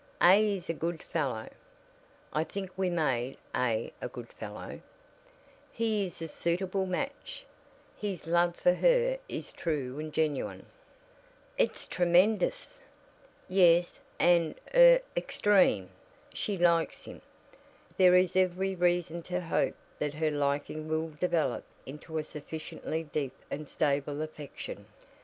A is a good fellow (I think we made A a good fellow), he is a suitable match, his love for her is true and genuine " "It's tremendous!" "Yes and er extreme. She likes him. There is every reason to hope that her liking will develop into a sufficiently deep and stable affection.